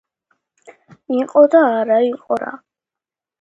იყო და არაა იყო რა